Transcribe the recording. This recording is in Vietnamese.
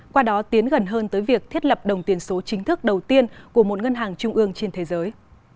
qua đó tiến gần hơn tới việc thiết lập đồng tiền số chính thức đầu tiên của một ngân hàng trung ương trên thế giới